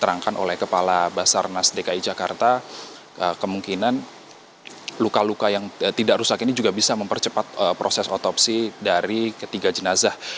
terangkan oleh kepala basarnas dki jakarta kemungkinan luka luka yang tidak rusak ini juga bisa mempercepat proses otopsi dari ketiga jenazah